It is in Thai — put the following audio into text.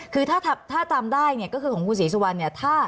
คือถ้าตามได้ก็คือของคุณศรีสวรรค์